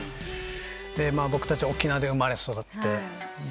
僕たち沖縄で生まれ育って。